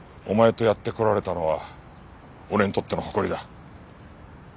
お前とやってこられたのは俺にとっての誇りだ。